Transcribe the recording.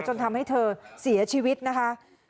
จนทำให้เธอเสียชีวิตนะคะ